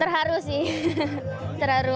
terharu sih terharu